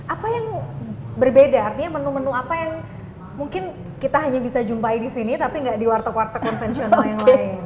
apa yang berbeda artinya menu menu apa yang mungkin kita hanya bisa jumpai di sini tapi nggak di warteg warteg konvensional yang lain